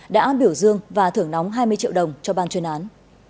đã biểu dương và thưởng nóng hai mươi triệu đồng cho ban chuyên án